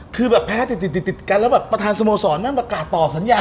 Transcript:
คือแบบแพ้ติดติดกันแล้วแบบประธานสโมสรแม่งประกาศต่อสัญญา